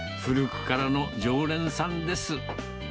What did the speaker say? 古くからの常連さんです。